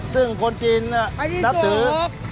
ซึ่งคนจีนอันนี้ตัวอก